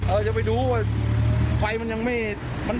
จะไปดูว่าไฟมันยังไม่